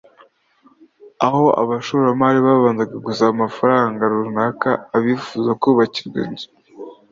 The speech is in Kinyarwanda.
aho abashoramari babanzaga gusaba amafaranga runaka abifuza kubakirwa inzu